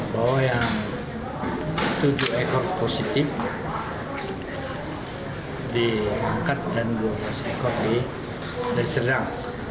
bahwa yang tujuh ekor positif di langkat dan dua belas ekor di deli serdang